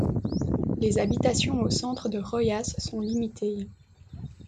Les habitations au centre de Royas sont limitées.